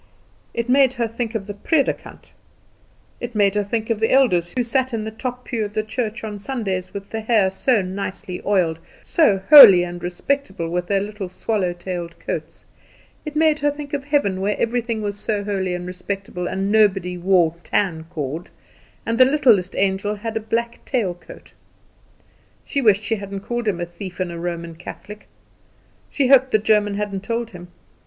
It made her think of the predikant; it made her think of the elders who sat in the top pew of the church on Sundays, with the hair so nicely oiled, so holy and respectable, with their little swallow tailed coats; it made her think of heaven, where everything was so holy and respectable, and nobody wore tancord, and the littlest angel had a black tailed coat. She wished she hadn't called him a thief and a Roman Catholic. She hoped the German hadn't told him.